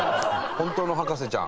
本当の博士ちゃん。